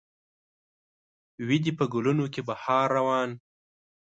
وي دې په ګلونو کې بهار روان